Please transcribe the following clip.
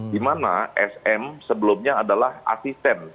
di mana sm sebelumnya adalah asisten